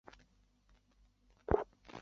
阿勒泰花蟹蛛为蟹蛛科花蟹蛛属的动物。